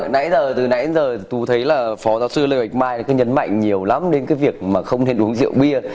nãy giờ từ nãy giờ tôi thấy là phó giáo sư lê bạch mai cứ nhấn mạnh nhiều lắm đến cái việc mà không nên uống rượu bia